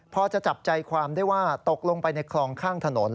พอจะจับใจความได้ว่าตกลงไปในคลองข้างถนน